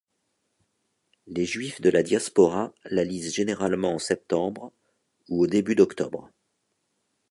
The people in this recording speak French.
Les Juifs de la Diaspora la lisent généralement en septembre ou au début d'octobre.